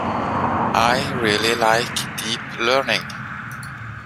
I really like Deep Learning.